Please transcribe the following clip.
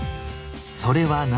それは何？